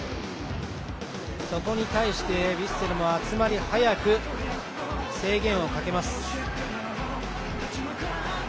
そこに対してヴィッセルも集まり早く制限をかけます。